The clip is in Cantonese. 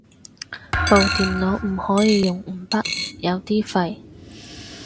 部電腦唔可以用五筆，有啲廢